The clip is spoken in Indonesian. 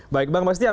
baik bang mbak setia